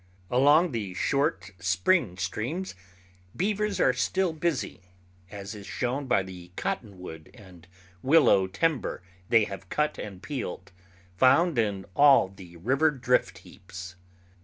Along the short spring streams beavers are still busy, as is shown by the cottonwood and willow timber they have cut and peeled, found in all the river drift heaps.